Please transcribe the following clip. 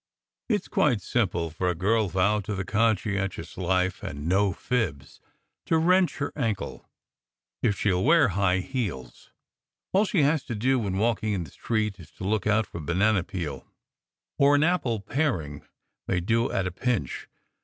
It s quite simple for a girl vowed to the conscientious life and no fibs to wrench her ankle, if she ll wear high heels. All she has to do when walking in the steeet is to look out for banana peel; or an apple paring may do at a pinch.